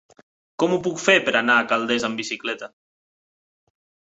Com ho puc fer per anar a Calders amb bicicleta?